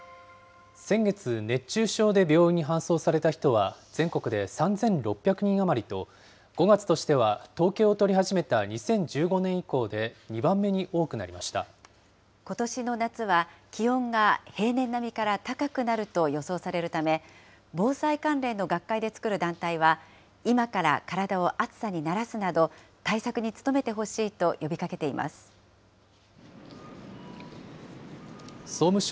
先月、熱中症で病院に搬送された人は全国で３６００人余りと、５月としては統計を取り始めた２０１５年以降で２番目に多くなりことしの夏は、気温が平年並みから高くなると予想されるため、防災関連の学会で作る団体は、今から体を暑さに慣らすなど、対策に努めてほしいと呼びかけてい総務省